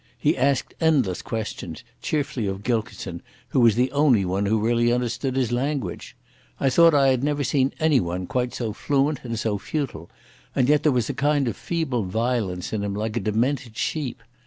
He asked endless questions, chiefly of Gilkison, who was the only one who really understood his language. I thought I had never seen anyone quite so fluent and so futile, and yet there was a kind of feeble violence in him like a demented sheep.